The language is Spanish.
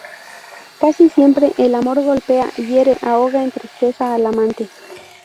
Casi siempre, el amor golpea, hiere, ahoga en tristeza al amante.